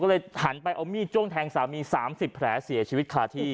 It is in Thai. หนูอยู่เลยหันไปเอามิ้นโจ้งแทงสามี๓๐แผลเสียชีวิตคลาที่